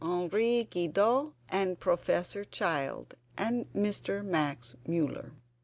Henri Guidoz and Professor Child, and Mr. Max Muller.